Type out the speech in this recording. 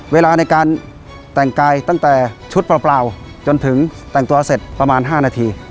เวลาในการแต่งกายตั้งแต่ชุดเปล่าจนถึงแต่งตัวเสร็จประมาณ๕นาที